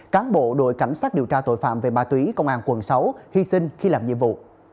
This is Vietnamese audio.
cán bộ đội cảnh sát điều tra tội phạm về ma túy công an quận sáu hy sinh khi làm nhiệm vụ